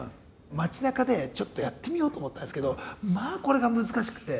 街なかでちょっとやってみようと思ったんですけどまあこれが難しくて。